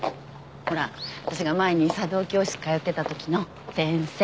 ほら私が前に茶道教室通ってたときの先生。